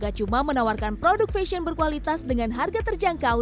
gak cuma menawarkan produk fashion berkualitas dengan harga terjangkau